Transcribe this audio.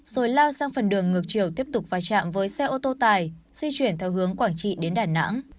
rồi lao sang phần đường ngược chiều tiếp tục va chạm với xe ô tô tải di chuyển theo hướng quảng trị đến đà nẵng